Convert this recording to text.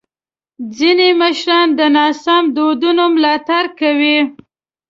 ځینې مشران د ناسم دودونو ملاتړ کوي.